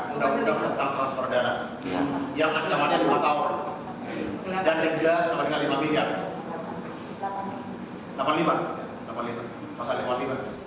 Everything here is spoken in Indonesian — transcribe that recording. undang undang tentang transfer dana yang ancamannya lima tahun dan dekda seberang lima miliar